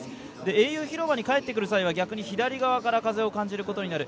英雄広場に帰ってくる際は逆に左側から風を感じることになる。